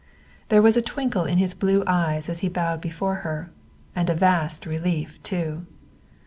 There was a twinkle in his blue eyes as he bowed before her and a vast relief too.